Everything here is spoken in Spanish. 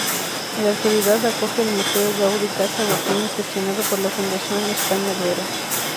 En la actualidad acoge el Museo Gaudí Casa Botines gestionado por la Fundación España-Duero.